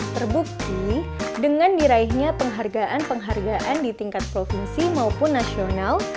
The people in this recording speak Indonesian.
terbukti dengan diraihnya penghargaan penghargaan di tingkat provinsi maupun nasional